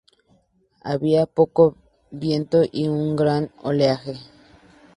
Había poco viento y un gran oleaje.